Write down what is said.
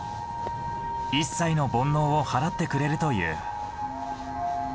一切の煩悩を払ってくれるという。